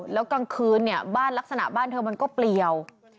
แล้วกลางคืนเนี่ยบ้านลักษณะบ้านเธอมันก็เปลี่ยว